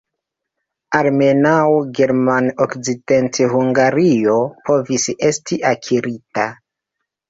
Almenaŭ German-Okcidenthungario povis esti akirita.